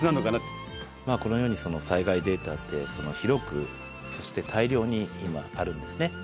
このように災害データって広くそして大量に今あるんですね。